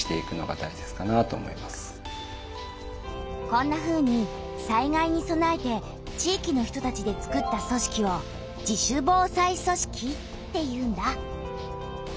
こんなふうに災害にそなえて地域の人たちで作った組織を「自主防災組織」っていうんだ。